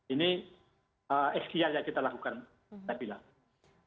ini istilah yang kita lakukan